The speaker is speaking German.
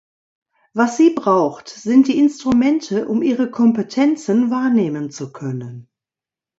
Was sie braucht, sind die Instrumente, um ihre Kompetenzen wahrnehmen zu können.